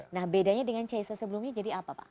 nah bedanya dengan cesa sebelumnya jadi apa pak